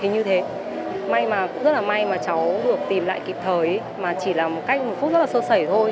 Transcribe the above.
hình như thế may mà cũng rất là may mà cháu được tìm lại kịp thời mà chỉ là một phút rất là sơ sẩy thôi